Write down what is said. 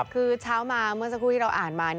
คือเช้ามาเมื่อสักครู่ที่เราอ่านมา